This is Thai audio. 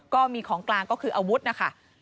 ก็มีของกลางก็คืออาวุธนะคะ